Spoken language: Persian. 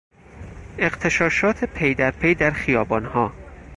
اغتشاشات پیدرپی در خیابانها